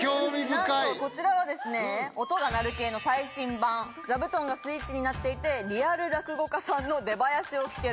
なんとこちらはですね音が鳴る系の最新版座布団がスイッチになっていてリアル落語家さんの出囃子を聴けると。